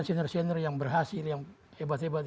senior senior yang berhasil yang hebat hebat